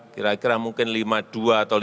kira kira mungkin lima dua atau lima